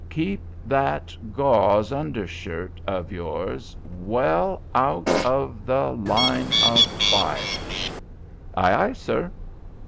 "Keep that gauze under shirt of yours well out of the line of fire." "Ay, ay, sir!"